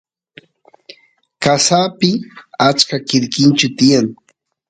qasapi achka quirquinchu tiyan